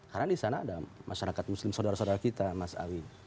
karena di sana ada masyarakat muslim saudara saudara kita mas ali